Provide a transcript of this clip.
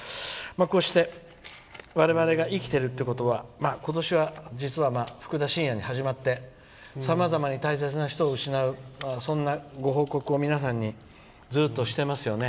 こうして我々が生きてるってことは今年はふくだしんやに始まってさまざまに大切な人を失うご報告を皆さんにずっとしていますよね。